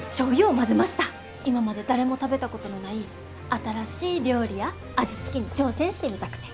今まで誰も食べたことのない新しい料理や味付けに挑戦してみたくて。